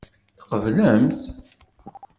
Tqeblemt?